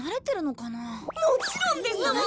もちろんですとも！